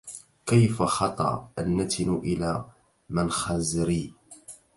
كيف خطا النتن إلى منخري